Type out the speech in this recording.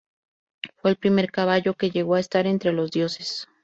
Fue el primer caballo que llegó a estar entre los dioses.